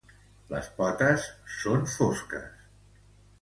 Les potes són fosques.